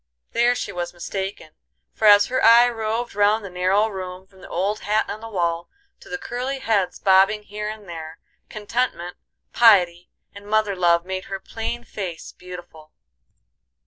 There she was mistaken, for as her eye roved round the narrow room from the old hat on the wall to the curly heads bobbing here and there, contentment, piety, and mother love made her plain face beautiful.